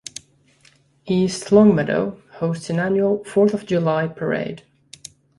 East Longmeadow hosts an annual Fourth of July Parade.